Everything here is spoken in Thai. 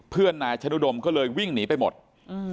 เพื่อนนายชะนุดมก็เลยวิ่งหนีไปหมด